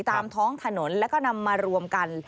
ตามท้องถนนแล้วก็นำมารวมกัน